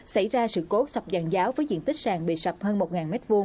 xảy ra sự cốt sọc dàn giáo với diện tích sàn bị sọc hơn một m hai